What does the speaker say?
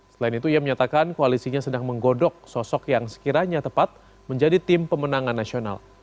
selain itu ia menyatakan koalisinya sedang menggodok sosok yang sekiranya tepat menjadi tim pemenangan nasional